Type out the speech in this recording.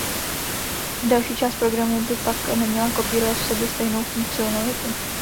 Další část programu by pak neměla kopírovat v sobě stejnou funkcionalitu.